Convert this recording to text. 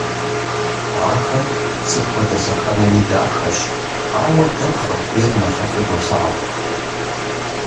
Ахэр сыт хуэдэ лъэхъэнэми дахэщ, ауэ дэ пхъэхуейр нэхъыфӀу долъагъу.